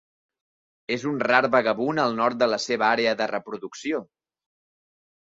És un rar vagabund al nord de la seva àrea de reproducció.